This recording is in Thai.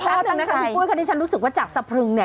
เดี๋ยวแป๊บหนึ่งนะคะพี่ปุ๊ยค่ะที่ฉันรู้สึกว่าจากสะพรึงเนี่ย